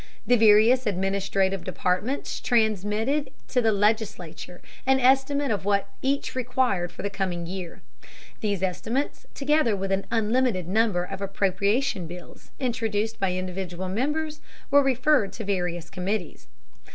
The various administrative departments transmitted to the legislature an estimate of what each required for the coming year. These estimates, together with an unlimited number of appropriation bills introduced by individual members, were referred to various committees.